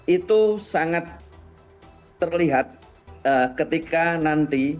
itu sangat terlihat ketika nanti